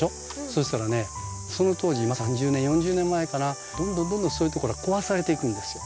そしたらねその当時３０年か４０年前かなどんどんどんどんそういうところが壊されていくんですよ。